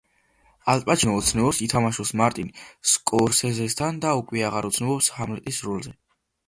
ალ პაჩინო ოცნებობს ითამაშოს მარტინ სკორსეზესთან და უკვე აღარ ოცნებობს ჰამლეტის როლზე.